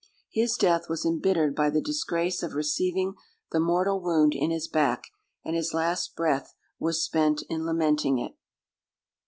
His death was embittered by the disgrace of receiving the mortal wound in his back, and his last breath was spent in lamenting it.